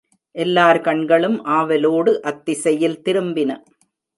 எல்லார் கண்களும் ஆவலோடு அத்திசையில் திரும்பின.